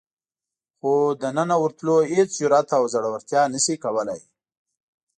خو دننه ورتلو هېڅ جرئت او زړورتیا نشي کولای.